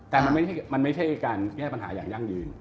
แต่มันไม่ใช่การแก้ปัญหาอย่างยั่งยืน